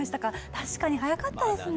確かに早かったですね。